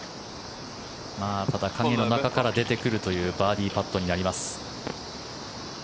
ただ、影の中から出てくるというバーディーパットになります。